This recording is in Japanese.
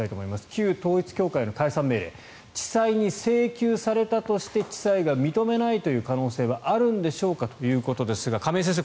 旧統一教会への解散命令地裁に請求されたとして地裁が認めないという可能性はあるんでしょうか？ということですが亀井先生